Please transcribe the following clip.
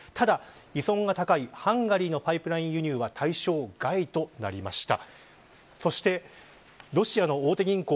ただ、依存が高いハンガリーのパイプラインでの輸入は対象外になりました。